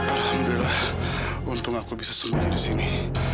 alhamdulillah untung aku bisa sembunyi di sini